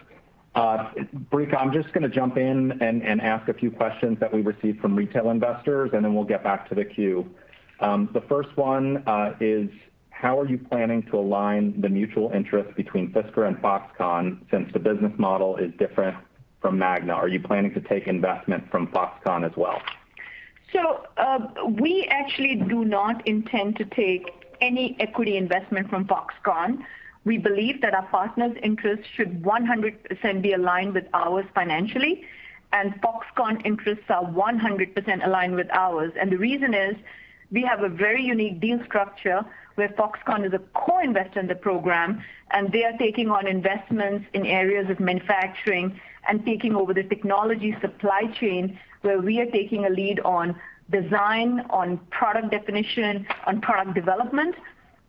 Barika, I'm just going to jump in and ask a few questions that we received from retail investors, and then we'll get back to the queue. The first one is, how are you planning to align the mutual interest between Fisker and Foxconn since the business model is different from Magna? Are you planning to take investment from Foxconn as well? We actually do not intend to take any equity investment from Foxconn. We believe that our partners' interests should 100% be aligned with ours financially, and Foxconn interests are 100% aligned with ours. The reason is, we have a very unique deal structure where Foxconn is a co-investor in the program, and they are taking on investments in areas of manufacturing and taking over the technology supply chain, where we are taking a lead on design, on product definition, on product development,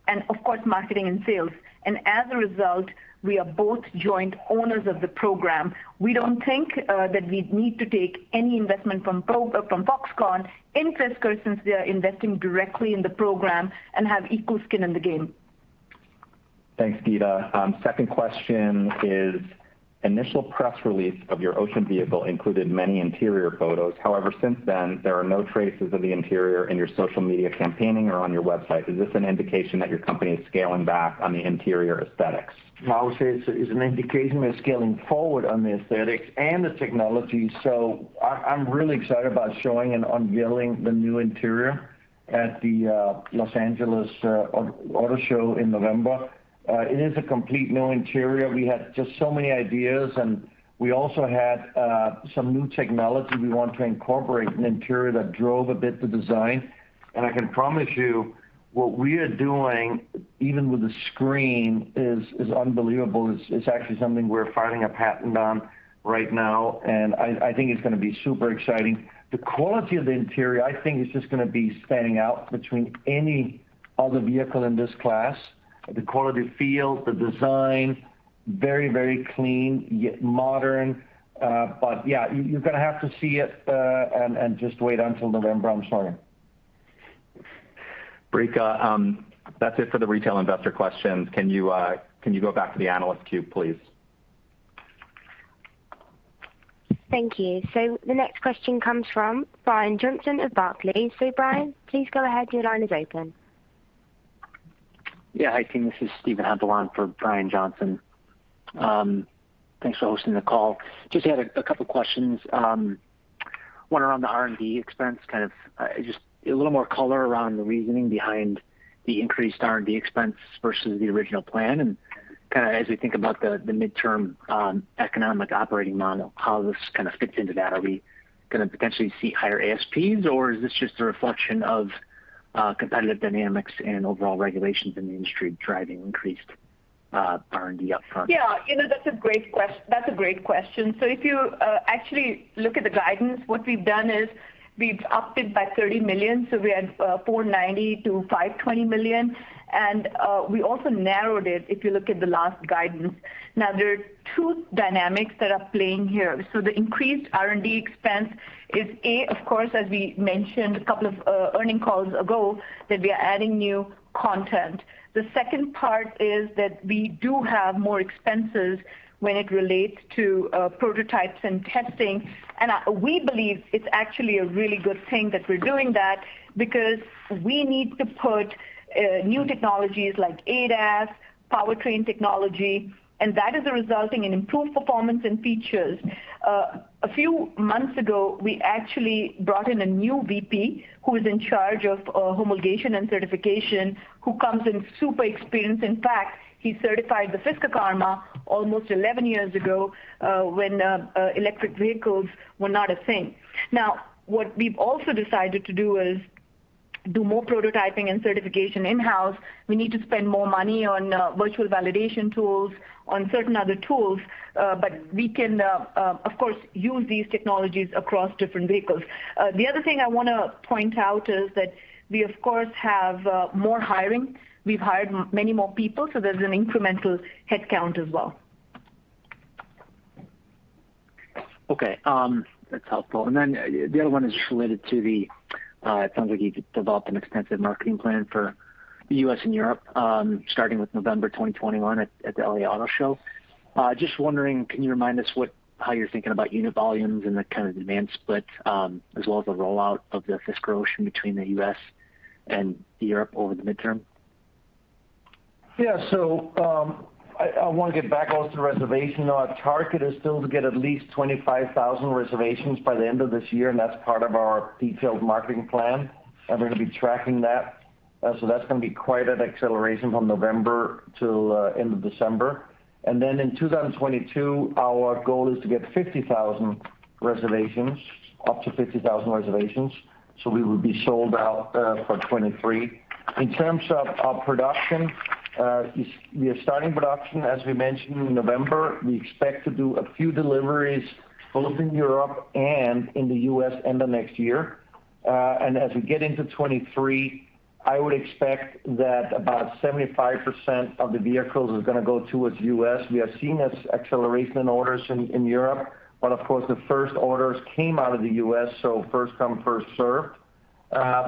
and of course, marketing and sales. As a result, we are both joint owners of the program. We don't think that we need to take any investment from Foxconn in Fisker since they are investing directly in the program and have equal skin in the game. Thanks, Geeta. Second question is, initial press release of your Ocean vehicle included many interior photos. Since then, there are no traces of the interior in your social media campaigning or on your website. Is this an indication that your company is scaling back on the interior aesthetics? I would say it's an indication we're scaling forward on the aesthetics and the technology. I'm really excited about showing and unveiling the new interior at the Los Angeles Auto Show in November. It is a complete new interior. We had just so many ideas, and we also had some new technology we want to incorporate in the interior that drove a bit the design. I can promise you what we are doing, even with the screen, is unbelievable. It's actually something we're filing a patent on right now, and I think it's going to be super exciting. The quality of the interior, I think, is just going to be standing out between any other vehicle in this class. The quality feel, the design, very clean, yet modern. Yeah, you're going to have to see it and just wait until November. I'm sorry. Brika, that's it for the retail investor questions. Can you go back to the analyst queue, please? Thank you. The next question comes from Brian Johnson of Barclays. Brian, please go ahead. Your line is open. Hi, team. This is Steven Hempel for Brian Johnson. Thanks for hosting the call. Just had a couple questions. One around the R&D expense, kind of just a little more color around the reasoning behind the increased R&D expense versus the original plan and kind of as we think about the midterm economic operating model, how this kind of fits into that. Are we going to potentially see higher ASPs, or is this just a reflection of competitive dynamics and overall regulations in the industry driving increased R&D upfront? Yeah. That's a great question. If you actually look at the guidance, what we've done is we've upped it by $30 million. We had $490 million-$520 million. We also narrowed it, if you look at the last guidance. Now, there are two dynamics that are playing here. The increased R&D expense is, A, of course, as we mentioned a couple of earnings calls ago, that we are adding new content. The second part is that we do have more expenses when it relates to prototypes and testing. We believe it's actually a really good thing that we're doing that because we need to put new technologies like ADAS, powertrain technology, and that is resulting in improved performance and features. A few months ago, we actually brought in a new VP who is in charge of homologation and certification, who comes in super experienced. In fact, he certified the Fisker Karma almost 11 years ago when electric vehicles were not a thing. Now, what we've also decided to do is do more prototyping and certification in-house. We need to spend more money on virtual validation tools, on certain other tools. We can, of course, use these technologies across different vehicles. The other thing I want to point out is that we, of course, have more hiring. We've hired many more people, so there's an incremental headcount as well. Okay. That's helpful. The other one is just related to the, it sounds like you developed an extensive marketing plan for the U.S. and Europe, starting with November 2021 at the L.A. Auto Show. Just wondering, can you remind us how you're thinking about unit volumes and the kind of demand split as well as the rollout of the Fisker Ocean between the U.S. and Europe over the midterm? Yeah. I want to get back also to reservation. Our target is still to get at least 25,000 reservations by the end of this year, and that's part of our detailed marketing plan, and we're going to be tracking that. That's going to be quite an acceleration from November till end of December. In 2022, our goal is to get 50,000 reservations, up to 50,000 reservations. We will be sold out for 2023. In terms of our production, we are starting production, as we mentioned, in November. We expect to do a few deliveries both in Europe and in the U.S. end of next year. As we get into 2023, I would expect that about 75% of the vehicles is going to go towards U.S. We are seeing an acceleration in orders in Europe, of course the first orders came out of the U.S., so first come first served.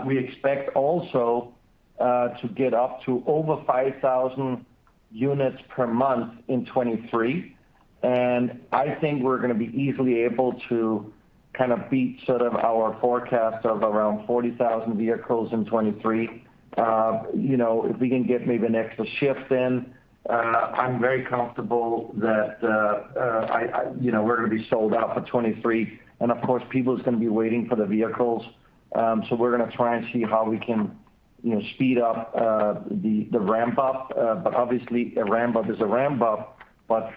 We expect also to get up to over 5,000 units per month in 2023, I think we're going to be easily able to beat our forecast of around 40,000 vehicles in 2023. If we can get maybe an extra shift in, I'm very comfortable that we're going to be sold out for 2023. Of course, people's going to be waiting for the vehicles. We're going to try and see how we can speed up the ramp up. Obviously a ramp up is a ramp up.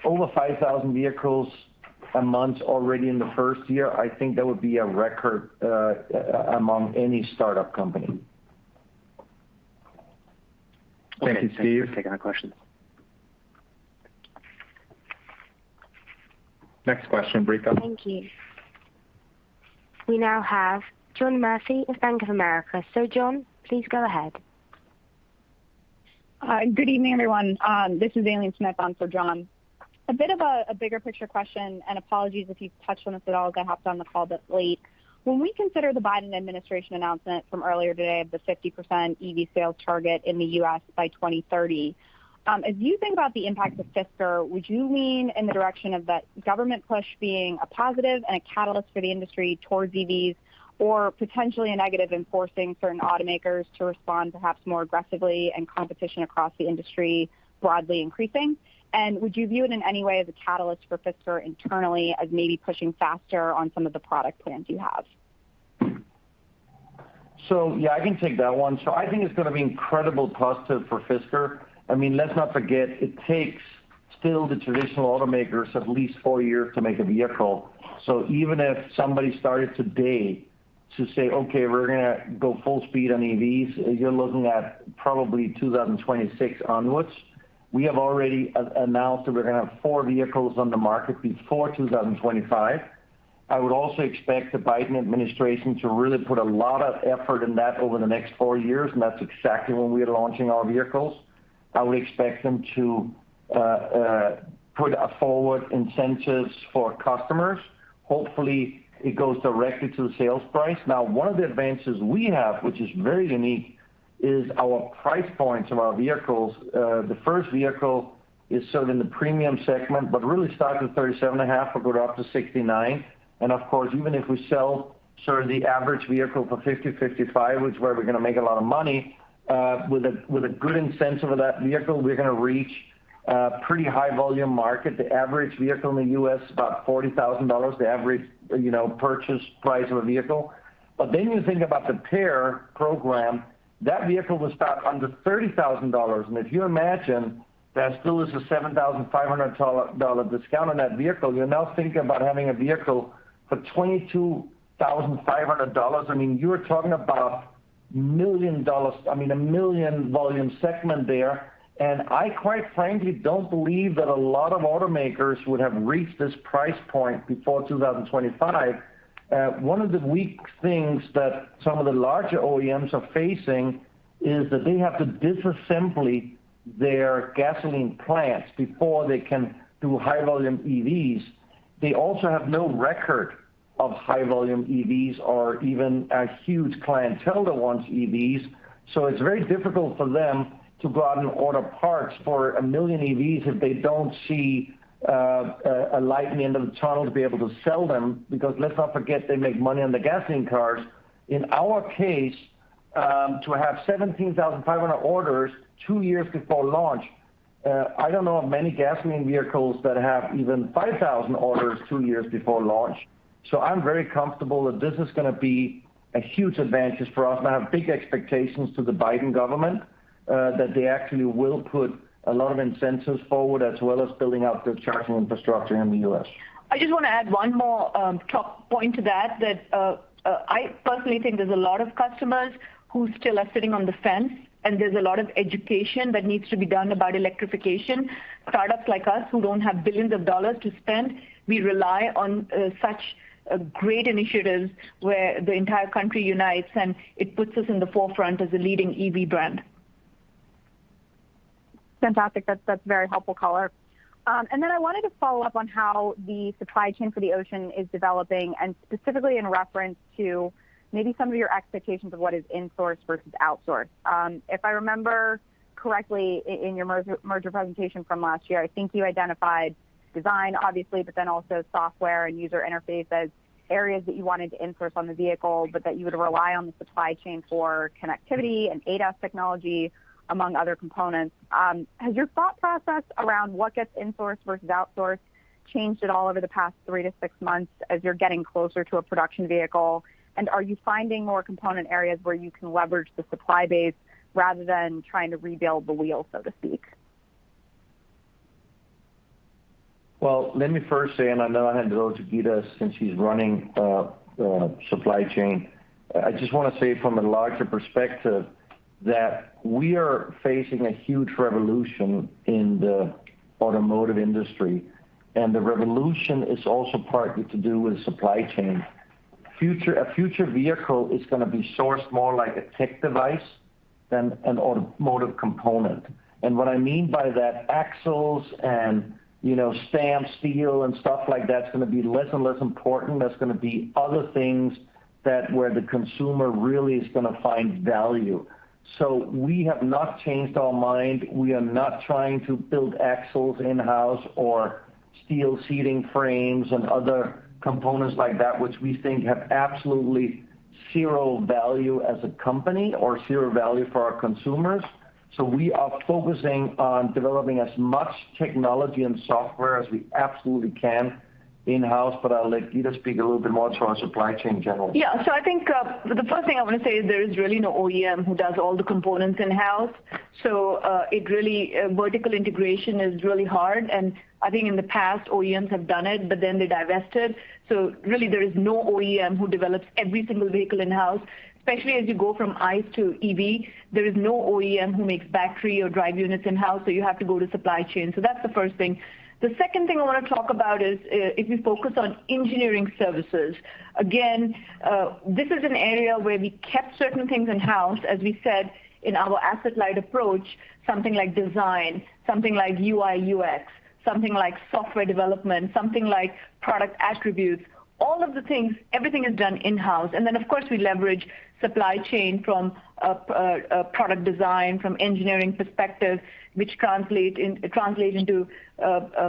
Over 5,000 vehicles a month already in the first year, I think that would be a record among any startup company. Thank you, Steve. I can take another question. Next question, Brika. Thank you. We now have John Murphy of Bank of America. John, please go ahead. Hi. Good evening, everyone. This is Elaine Smith on for John. A bit of a bigger picture question, and apologies if you've touched on this at all, because I hopped on the call a bit late. When we consider the Biden administration announcement from earlier today of the 50% EV sales target in the U.S. by 2030, as you think about the impact of Fisker, would you lean in the direction of that government push being a positive and a catalyst for the industry towards EVs or potentially a negative in forcing certain automakers to respond perhaps more aggressively and competition across the industry broadly increasing? Would you view it in any way as a catalyst for Fisker internally as maybe pushing faster on some of the product plans you have? Yeah, I can take that one. I think it's going to be incredibly positive for Fisker. Let's not forget, it takes still the traditional automakers at least four years to make a vehicle. Even if somebody started today to say, Okay, we're going to go full speed on EVs, you're looking at probably 2026 onwards. We have already announced that we're going to have four vehicles on the market before 2025. I would also expect the Biden administration to really put a lot of effort in that over the next four years, and that's exactly when we are launching our vehicles. I would expect them to put forward incentives for customers. Hopefully it goes directly to the sales price. One of the advantages we have, which is very unique, is our price points of our vehicles. The first vehicle is sold in the premium segment, but really starts at $37,500-$69,000. Of course, even if we sell the average vehicle for $50,000-$55,000, which is where we're going to make a lot of money, with a good incentive for that vehicle, we're going to reach a pretty high volume market. The average vehicle in the U.S. is about $40,000, the average purchase price of a vehicle. You think about Project PEAR, that vehicle will start under $30,000. If you imagine there still is a $7,500 discount on that vehicle, you're now thinking about having a vehicle for $22,500. You are talking about million-volume segment there. I quite frankly don't believe that a lot of automakers would have reached this price point before 2025. One of the weak things that some of the larger OEMs are facing is that they have to disassembly their gasoline plants before they can do high volume EVs. They also have no record of high volume EVs or even a huge clientele that wants EVs. It's very difficult for them to go out and order parts for 1 million EVs if they don't see a light in the end of the tunnel to be able to sell them, because let's not forget, they make money on the gasoline cars. In our case, to have 17,500 orders two years before launch, I don't know of many gasoline vehicles that have even 5,000 orders two years before launch. I'm very comfortable that this is going to be a huge advantage for us, and I have big expectations to the Biden government that they actually will put a lot of incentives forward, as well as building out the charging infrastructure in the U.S. I just want to add one more top point to that I personally think there's a lot of customers who still are sitting on the fence, and there's a lot of education that needs to be done about electrification. Startups like us who don't have billions of dollars to spend, we rely on such great initiatives where the entire country unites, and it puts us in the forefront as a leading EV brand. Fantastic. That's very helpful color. I wanted to follow up on how the supply chain for the Ocean is developing, and specifically in reference to maybe some of your expectations of what is insourced versus outsourced. If I remember correctly, in your merger presentation from last year, I think you identified design, obviously, but then also software and user interface as areas that you wanted to insource on the vehicle, but that you would rely on the supply chain for connectivity and ADAS technology, among other components. Has your thought process around what gets insourced versus outsourced changed at all over the past three to six months as you're getting closer to a production vehicle? Are you finding more component areas where you can leverage the supply base rather than trying to rebuild the wheel, so to speak? Well, let me first say, I know I have to go to Geeta since she's running supply chain. I just want to say from a larger perspective that we are facing a huge revolution in the automotive industry, and the revolution is also partly to do with supply chain. A future vehicle is going to be sourced more like a tech device than an automotive component. What I mean by that, axles and stamped steel and stuff like that is going to be less and less important. There's going to be other things where the consumer really is going to find value. We have not changed our mind. We are not trying to build axles in-house or steel seating frames and other components like that, which we think have absolutely zero value as a company or zero value for our consumers. We are focusing on developing as much technology and software as we absolutely can in-house, but I'll let Geeta speak a little bit more to our supply chain in general. Yeah. I think, the first thing I want to say is there is really no OEM who does all the components in-house. Vertical integration is really hard, and I think in the past, OEMs have done it, but then they divested. Really, there is no OEM who develops every single vehicle in-house, especially as you go from ICE to EV. There is no OEM who makes battery or drive units in-house, so you have to go to supply chain. That's the first thing. The second thing I want to talk about is if we focus on engineering services. Again, this is an area where we kept certain things in-house, as we said in our asset-light approach, something like design, something like UI/UX, something like software development, something like product attributes. All of the things, everything is done in-house. Of course, we leverage supply chain from a product design, from engineering perspective, which translate into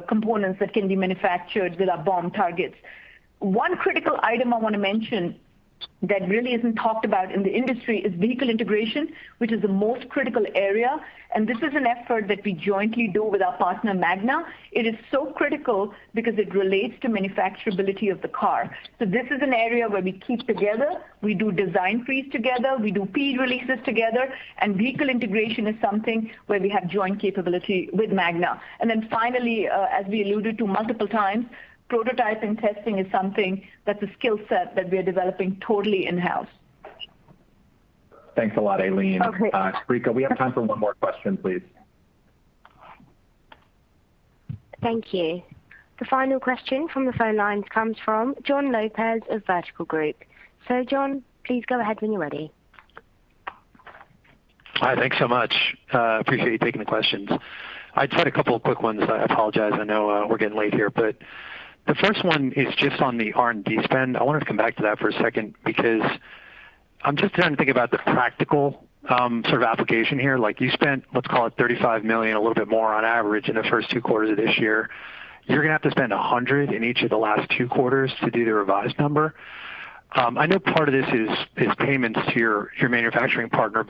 components that can be manufactured with our BOM targets. One critical item I want to mention that really isn't talked about in the industry is vehicle integration, which is the most critical area, and this is an effort that we jointly do with our partner, Magna. It is so critical because it relates to manufacturability of the car. This is an area where we keep together. We do design freeze together. We do P releases together, and vehicle integration is something where we have joint capability with Magna. Finally, as we alluded to multiple times, prototyping testing is something that's a skill set that we are developing totally in-house. Thanks a lot, Elaine. Okay. Brika, we have time for one more question, please. Thank you. The final question from the phone lines comes from Jon Lopez of Vertical Group. John, please go ahead when you're ready. Hi. Thanks so much. Appreciate you taking the questions. I just had a couple of quick ones. I apologize. I know we're getting late here. The first one is just on the R&D spend. I wanted to come back to that for a second because I'm just trying to think about the practical sort of application here. You spent, let's call it, $35 million, a little bit more on average in the first two quarters of this year. You're going to have to spend $100 in each of the last two quarters to do the revised number? I know part of this is payments to your manufacturing partner.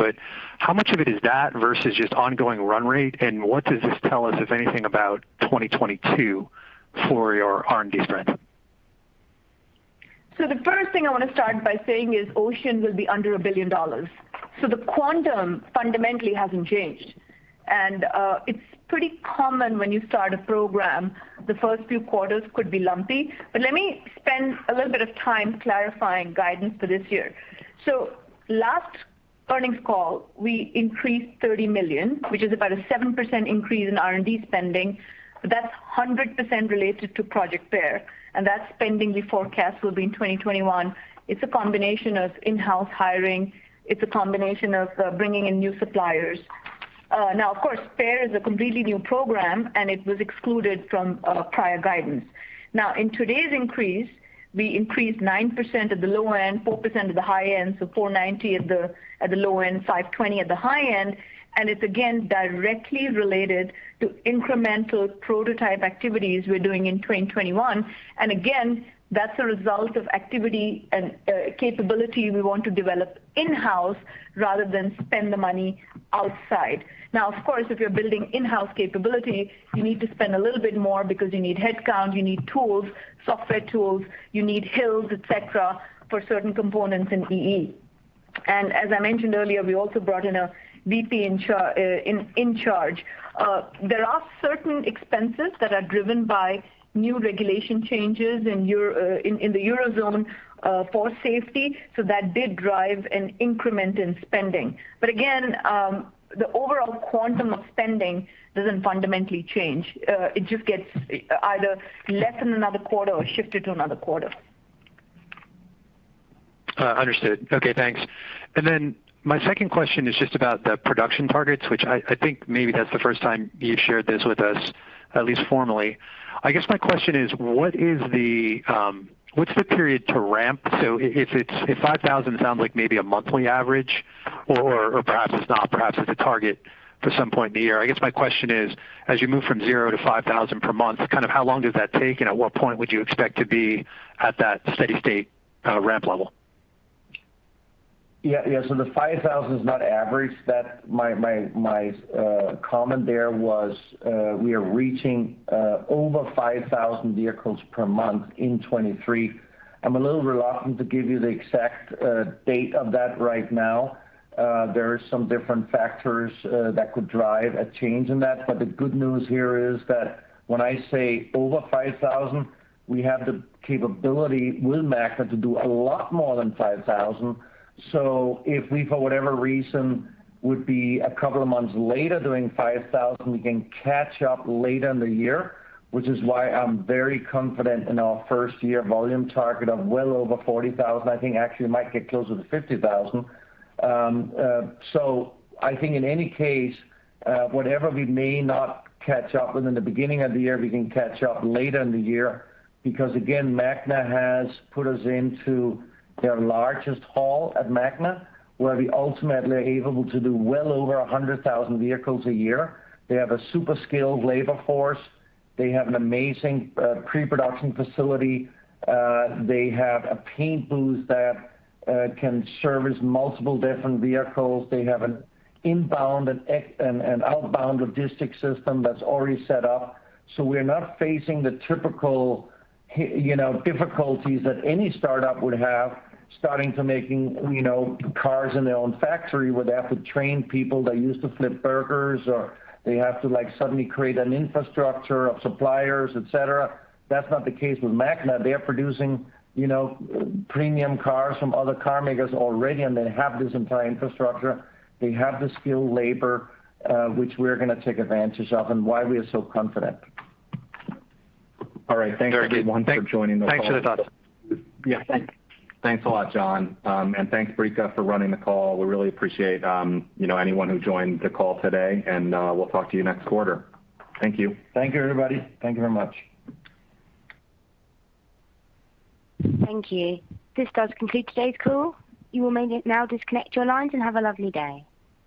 How much of it is that versus just ongoing run rate, and what does this tell us, if anything, about 2022 for your R&D spend? The first thing I want to start by saying is Ocean will be under $1 billion. The quantum fundamentally hasn't changed. It's pretty common when you start a program, the first few quarters could be lumpy. Let me spend a little bit of time clarifying guidance for this year. Last earnings call, we increased $30 million, which is about a 7% increase in R&D spending. That's 100% related to Project PEAR. That spending we forecast will be in 2021. It's a combination of in-house hiring. It's a combination of bringing in new suppliers. Now, of course, PEAR is a completely new program, and it was excluded from prior guidance. In today's increase, we increased 9% at the low end, 4% at the high end, $490 at the low end, $520 at the high end, it's again directly related to incremental prototype activities we're doing in 2021. Again, that's a result of activity and capability we want to develop in-house rather than spend the money outside. Of course, if you're building in-house capability, you need to spend a little bit more because you need headcount, you need tools, software tools, you need HILs, et cetera, for certain components in EE. As I mentioned earlier, we also brought in a VP in charge. There are certain expenses that are driven by new regulation changes in the Eurozone for safety. That did drive an increment in spending. Again, the overall quantum of spending doesn't fundamentally change. It just gets either less than another quarter or shifted to another quarter. Understood. Okay, thanks. My second question is just about the production targets, which I think maybe that's the first time you've shared this with us, at least formally. I guess my question is, what's the period to ramp? If 5,000 sounds like maybe a monthly average or perhaps it's not, perhaps it's a target for some point in the year. I guess my question is, as you move from 0 to 5,000 per month, how long does that take, and at what point would you expect to be at that steady state, ramp level? The 5,000 is not average. My comment there was, we are reaching over 5,000 vehicles per month in 2023. I'm a little reluctant to give you the exact date of that right now. There are some different factors that could drive a change in that. The good news here is that when I say over 5,000, we have the capability with Magna to do a lot more than 5,000. If we, for whatever reason, would be two months later doing 5,000, we can catch up later in the year, which is why I'm very confident in our first-year volume target of well over 40,000. I think actually might get close to the 50,000. I think in any case, whatever we may not catch up with in the beginning of the year, we can catch up later in the year. Again, Magna has put us into their largest hall at Magna, where we ultimately are able to do well over 100,000 vehicles a year. They have a super skilled labor force. They have an amazing pre-production facility. They have a paint booth that can service multiple different vehicles. They have an inbound and outbound logistics system that's already set up. We're not facing the typical difficulties that any startup would have starting to making cars in their own factory, where they have to train people that used to flip burgers, or they have to suddenly create an infrastructure of suppliers, et cetera. That's not the case with Magna. They are producing premium cars from other car makers already, and they have this entire infrastructure. They have the skilled labor, which we're going to take advantage of, and why we are so confident. All right. Thanks, everyone, for joining the call. Thanks for the thoughts. Yeah. Thanks. Thanks a lot, John. Thanks, Brianna, for running the call. We really appreciate anyone who joined the call today, and we'll talk to you next quarter. Thank you. Thank you, everybody. Thank you very much. Thank you. This does conclude today's call. You may now disconnect your lines and have a lovely day.